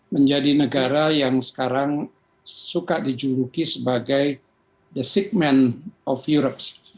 menjadi negara yang sekarang suka dijuluki sebagai the segment of europe